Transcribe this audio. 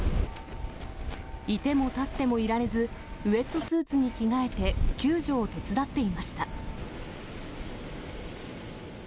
いても立ってもいられず、ウエットスーツに着替えて、救助を手伝っていました。